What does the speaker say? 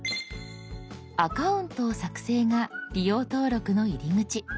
「アカウントを作成」が利用登録の入り口。